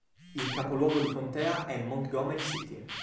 Il capoluogo di contea è Montgomery City